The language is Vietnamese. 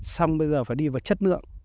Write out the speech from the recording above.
xong bây giờ phải đi vào chất lượng